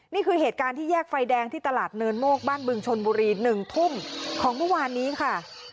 นี่คือเหตุการณ์ที่แยกไฟแดงที่ตลาดเนินโมกบ้านบึงชนบุรี๑ทุ่มของเมื่อวานนี้ค่ะ